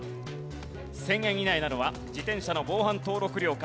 １０００円以内なのは自転車の防犯登録料か？